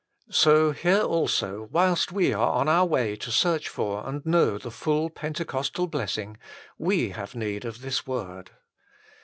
So here also, whilst we are on our way to search for and know the full Pentecostal blessing, we have need of this word.